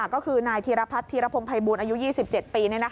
ก็คือนายธีรพัฒนธีรพงศ์ภัยบูลอายุ๒๗ปี